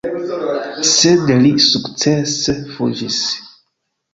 Sed li sukcese fuĝis.